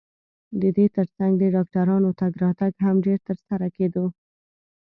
د دې ترڅنګ د ډاکټرانو تګ راتګ هم ډېر ترسترګو کېده.